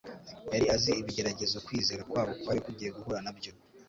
Yari azi ibigeragezo kwizera kwabo kwari kugiye guhura na byo.